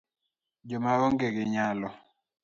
jo ma onge gi nyalo